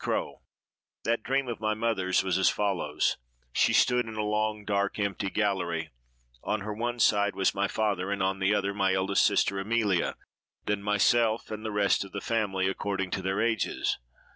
CROWE: That dream of my mother's was as follows: She stood in a long, dark, empty gallery: on her one side was my father, and on the other my eldest sister Amelia; then myself, and the rest of the family, according to their ages.